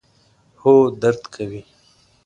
هو، درد کوي